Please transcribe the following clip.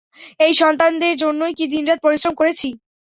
এই সন্তানদের জন্যই কি দিন-রাত পরিশ্রম করেছি?